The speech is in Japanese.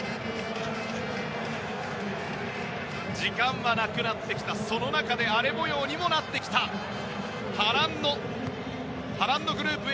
時間がなくなってきた中で荒れ模様になってきた波乱のグループ